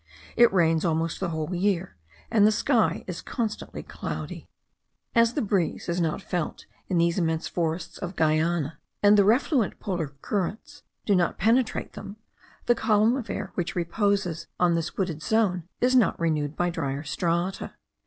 It rains almost the whole year, and the sky is constantly cloudy. As the breeze is not felt in these immense forests of Guiana, and the refluent polar currents do not penetrate them, the column of air which reposes on this wooded zone is not renewed by dryer strata.